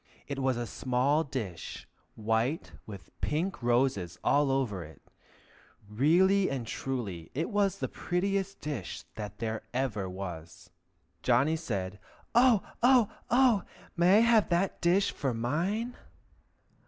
It was a small dish, white with pink roses all over it; really and truly, it was the prettiest dish that ever was. Johnny said, "O o oh! may I have that dish for mine?"